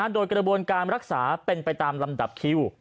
โดยกระบวนการรักษาเป็นไปตามลำดับคิว